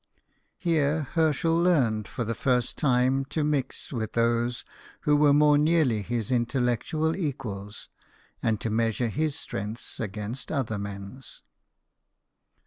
Here Herschel learned for the first time to mix with those who were more nearly his intel lectual equals, and to measure his strength against other men's.